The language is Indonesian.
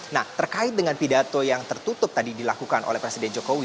nah terkait dengan pidato yang tertutup tadi dilakukan oleh presiden jokowi